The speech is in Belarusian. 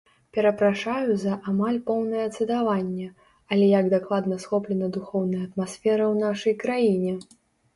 Перапрашаю за амаль поўнае цытаванне, але як дакладна схоплена духоўная атмасфера ў нашай краіне!